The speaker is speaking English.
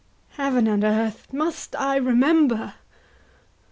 Heaven and earth! Must I remember?